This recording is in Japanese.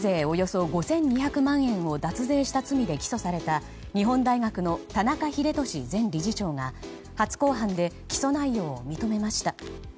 およそ５２００万円を脱税した罪で起訴された日本大学の田中英寿前理事長が初公判で起訴内容を認めました。